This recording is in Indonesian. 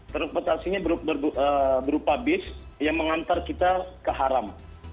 transportasinya berupa bis yang mengantar kita ke haram